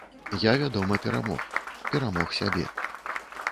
Я, вядома, перамог, перамог сябе.